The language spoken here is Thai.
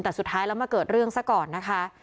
แต่สุดท้ายแล้วมาเกิดเรื่องซะก่อนนะคะ